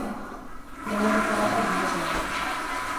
Urruneko zarata, hurbileko musika.